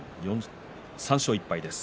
３勝１敗です。